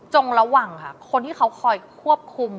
ระหว่างค่ะคนที่เขาคอยควบคุม